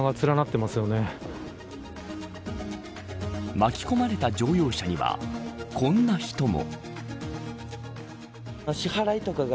巻き込まれた乗用車にはこんな人も。